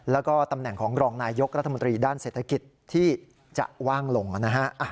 แล้วก็ตำแหน่งของรองนายยกรัฐมนตรีด้านเศรษฐกิจที่จะว่างลงนะฮะ